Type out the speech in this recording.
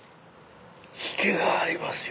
ひげがありますよ。